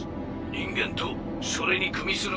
人間とそれにくみする